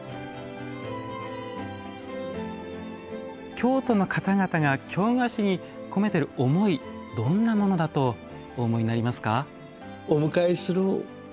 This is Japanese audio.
京都の方々が京菓子に込めてる思いどんなものだとお思いになりますか？